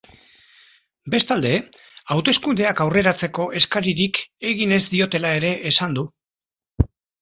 Bestalde, hauteskundeak aurreratzeko eskaririk egin ez diotela ere esan du.